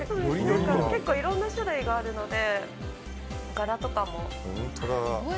結構いろんな種類があるので。